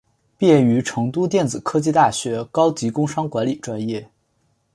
毕业于成都电子科技大学高级工商管理专业。